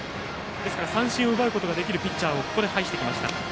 ですから三振を奪うことのできるピッチャーをここで配してきました。